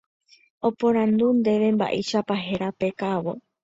oporandúrõ ndéve mba'éichapa héra pe ka'avo